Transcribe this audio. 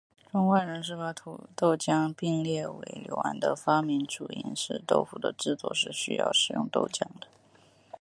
中外人士把豆浆一拼列为刘安的发明主因是豆腐的制作是需要使用豆浆的。